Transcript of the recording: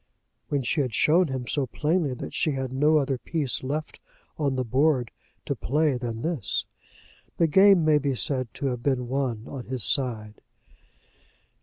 When she had shown him so plainly that she had no other piece left on the board to play than this, the game may be said to have been won on his side.